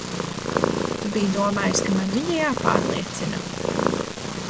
Tu biji domājis, ka man viņa jāpārliecina?